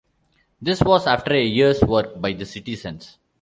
This was after a year's work by the citizens.